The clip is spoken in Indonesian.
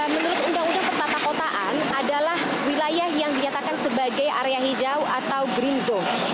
menurut undang undang pertata kotaan adalah wilayah yang dinyatakan sebagai area hijau atau green zone